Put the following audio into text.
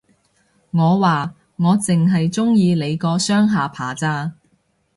我話，我剩係鍾意你個雙下巴咋